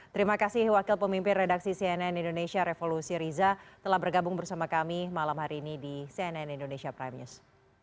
terima kasih wakil pemimpin redaksi cnn indonesia revolusi riza telah bergabung bersama kami malam hari ini di cnn indonesia prime news